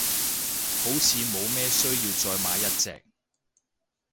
好似冇咩需要再買一隻，